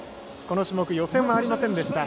この種目予選はありませんでした。